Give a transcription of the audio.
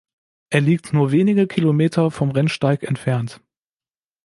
Er liegt nur wenige Kilometer vom Rennsteig entfernt.